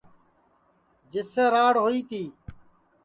جس سے راڑ ہوئی تی